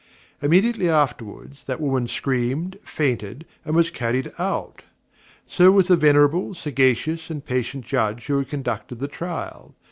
Immediately afterwards, that woman screamed, fainted, and was carried out. So with the venerable, sagacious, and patient Judge who conducted the trial.